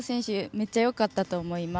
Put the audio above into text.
めっちゃよかったと思います。